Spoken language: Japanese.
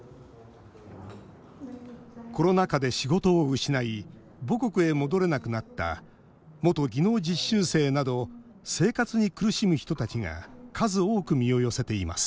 コロナ禍で仕事を失い母国へ戻れなくなった元技能実習生など生活に苦しむ人たちが数多く身を寄せています